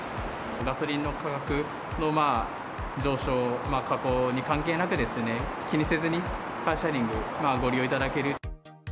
ガソリンの価格の上昇、下降に関係なく、気にせずにカーシェアリングご利用いただける。